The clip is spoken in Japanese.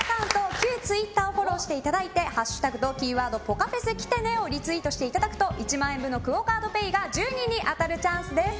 旧ツイッターをフォローしていただいて「＃ぽかＦＥＳ来てね」をリツイートしていただくと１万円分のＱＵＯカードＰａｙが１０人に当たるチャンスです。